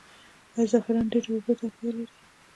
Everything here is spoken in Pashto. آیا زعفران ډیرې اوبو ته اړتیا لري؟